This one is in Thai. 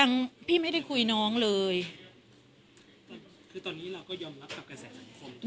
ยังพี่ไม่ได้คุยน้องเลยก็คือตอนนี้เราก็ยอมรับกับกระแสสังคม